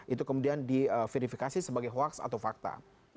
itu kemudian diverifikasi sebagai hoax atau fakta